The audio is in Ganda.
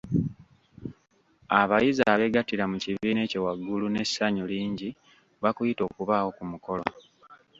Abayizi abeegattira mu kibiina ekyo waggulu n’essanyu lingi bakuyita okubaawo ku mukolo.